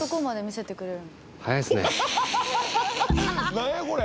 何やこれ？